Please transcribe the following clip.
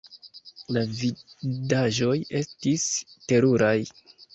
La vidaĵoj estis teruraj.